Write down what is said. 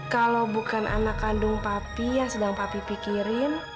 kalau bukan anak kandung papi yang sedang papi pikirin